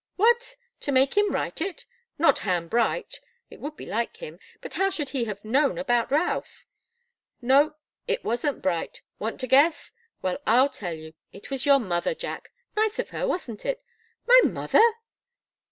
"What? To make him write it? Not Ham Bright? It would be like him but how should he have known about Routh?" "No. It wasn't Bright. Want to guess? Well I'll tell you. It was your mother, Jack. Nice of her, wasn't it?" "My mother!"